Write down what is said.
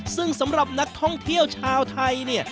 ซึ่งสำหรับนักท่องเที่ยวชาวไทยเนี่ย